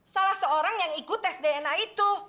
salah seorang yang ikut tes dna itu